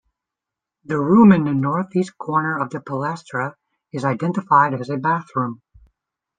The room in the northeast corner of the palaestra is identified as a bathroom.